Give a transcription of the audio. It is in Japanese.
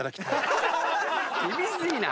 厳しいな。